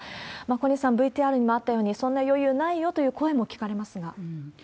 小西さん、ＶＴＲにもあったように、そんな余裕ないよという声も聞かれますが。